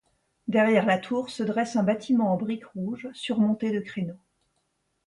Derrière la tour se dresse un bâtiment en briques rouges surmonté de créneaux.